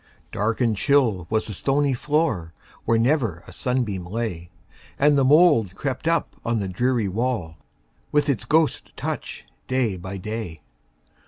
Dark and chill was the stony floor, Where never a sunbeam lay, And the mould crept up on the dreary wall, With its ghost touch, day by day.